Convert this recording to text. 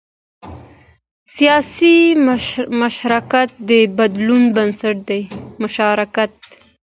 سیاسي مشارکت د بدلون بنسټ دی